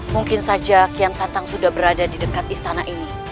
mungkin saja kian santang sudah berada di dekat istana ini